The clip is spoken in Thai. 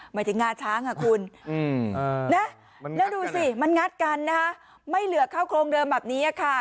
หมายถึงงาช้างอ่ะคุณนะแล้วดูสิมันงัดกันนะคะไม่เหลือเข้าโครงเดิมแบบนี้ค่ะ